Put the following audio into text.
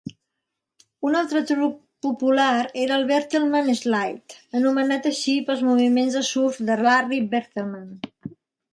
Un altre truc popular era el "Bertlemann slide", anomenat així pels moviments de surf de Larry Bertlemann.